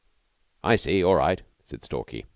"I see. All right," said Stalky.